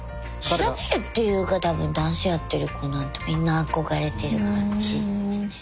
調べるっていうか多分ダンスやってる子なんてみんな憧れてる感じですね。